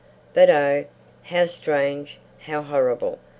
But oh, how strange, how horrible!